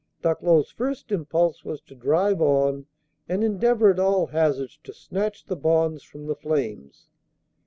Ducklow's first impulse was to drive on and endeavor at all hazards to snatch the bonds from the flames.